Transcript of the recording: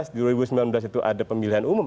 dua ribu sembilan belas itu ada pemilihan umum